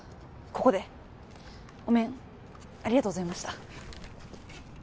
ここでお面ありがとうございました